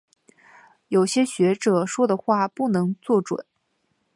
有些学者说的话不能做准。